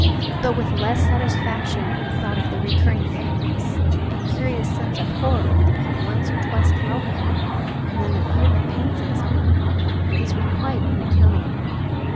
But with less satisfaction he thought of the recurring faintness, and curious sense of horror that had once or twice come over him, and then of the violent pains in his arm. These were quite unaccountable.